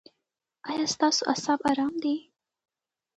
ایا ستاسو اعصاب ارام دي؟